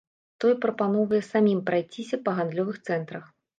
Той прапаноўвае самім прайсціся на гандлёвых цэнтрах.